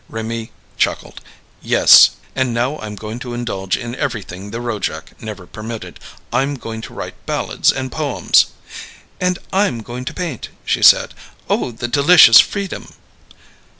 Raimee chuckled. "Yes. And now I'm going to indulge in everything the Rojac never permitted. I'm going to write ballads and poems." "And I'm going to paint," she said. "Oh, the delicious freedom!"